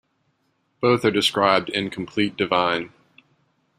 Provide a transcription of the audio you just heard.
Both are described in "Complete Divine".